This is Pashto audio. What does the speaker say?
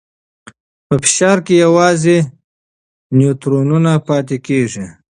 په فشار کې یوازې نیوترونونه پاتې کېږي.